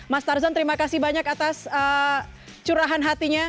mas tarzan terima kasih banyak atas curahan hatinya